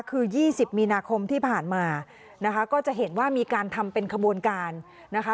คือ๒๐มีนาคมที่ผ่านมานะคะก็จะเห็นว่ามีการทำเป็นขบวนการนะคะ